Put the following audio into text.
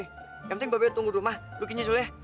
yang penting mbak bet tunggu rumah lo kini sulih